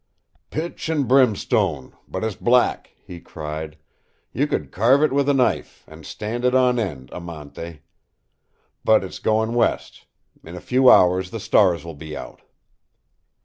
"Pitch and brimstone, but it's black!" he cried. "You could carve it with a knife, and stand it on end, AMANTE. But it's going west. In a few hours the stars will be out."